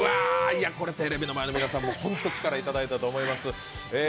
いや、これテレビの前の皆さんも本当、力をいただいたと思います。